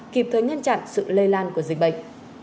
kịp thời ngăn chặn sự lây lan của dịch bệnh